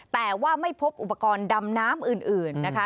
แต่ว่าไม่พบอุปกรณ์ดำน้ำอื่นนะคะ